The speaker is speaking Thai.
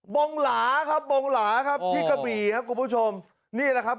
บงหลาครับบงหลาครับที่กระบี่ครับคุณผู้ชมนี่แหละครับ